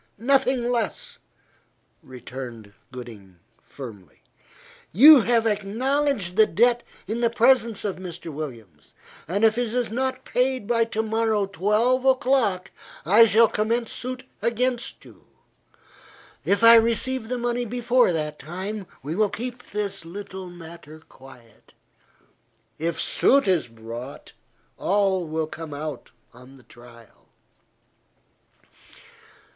Nothing less," returned Gooding firmly. "You have acknowledged the debt in the presence of Mr. Williams, and if it is not paid by to morrow twelve o'clock, I shall commence suit against you. If I receive the money before that time, we will keep this little matter quiet; if suit is brought, all will come out on the trial."